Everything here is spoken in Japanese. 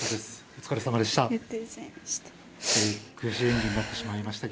お疲れさまでした。